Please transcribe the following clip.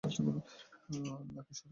Lucky শটের জন্য।